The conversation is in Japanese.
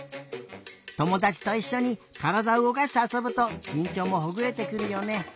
ともだちといっしょにからだをうごかしてあそぶときんちょうもほぐれてくるよね。